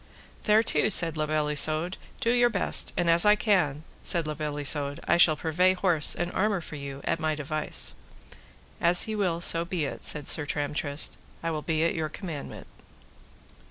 Thereto, said La Beale Isoud, do your best, and as I can, said La Beale Isoud, I shall purvey horse and armour for you at my device. As ye will so be it, said Sir Tramtrist, I will be at your commandment.